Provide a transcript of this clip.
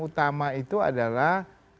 utama itu adalah